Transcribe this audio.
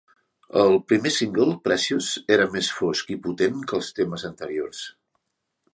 El primer single, "Precious", era més fosc i potent que els temes anteriors.